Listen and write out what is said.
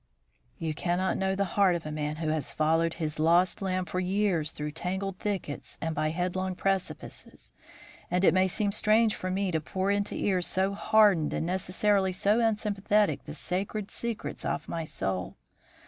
"You cannot know the heart of a man who has followed his lost lamb for years through tangled thickets and by headlong precipices, and it may seem strange for me to pour into ears so hardened and necessarily so unsympathetic the sacred secrets of my soul.